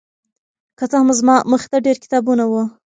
که څه هم زما مخې ته ډېر کتابونه وو